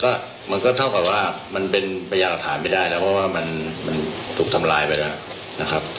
ก็มันก็เท่ากับว่ามันเป็นพยาหลักฐานไม่ได้แล้วเพราะว่ามันถูกทำร้ายไปแล้วนะครับ